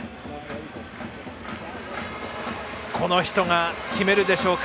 この人が決めるでしょうか。